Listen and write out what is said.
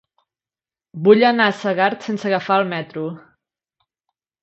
Vull anar a Segart sense agafar el metro.